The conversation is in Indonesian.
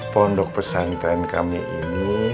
pondok pesantren kami ini